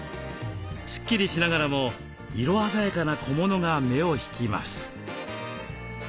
すっきりしながらも色鮮やかな小物が目を引きます。